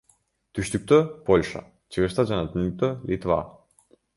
Түштүктө — Польша, чыгышта жана түндүктө — Литва.